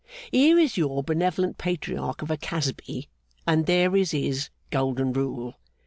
Here is your benevolent Patriarch of a Casby, and there is his golden rule.